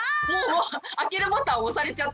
開けるボタン押されちゃって。